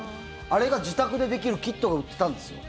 あれが自宅でできるキットが売ってたんですよ。